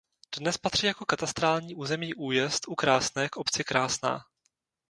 Dnes patří jako katastrální území Újezd u Krásné k obci Krásná.